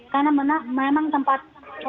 karena memang tempat